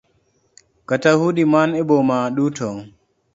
Kata udi man e boma duto.